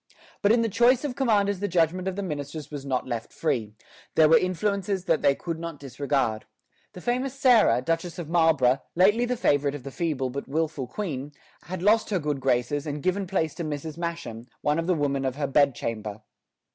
But in the choice of commanders the judgment of the ministers was not left free; there were influences that they could not disregard. The famous Sarah, Duchess of Marlborough, lately the favorite of the feeble but wilful queen, had lost her good graces and given place to Mrs. Masham, one of the women of her bedchamber.